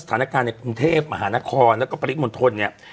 อาหารการณ์ในกรุงเทพฯอาหารกรณ์แล้วก็ปริศมนต์ทนเนี่ย